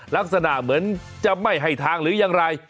ลักษณะเหมือนจะไม่ให้ทางหรือยังไร